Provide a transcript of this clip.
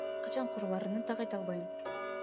Качан курулаарын так айта албайм.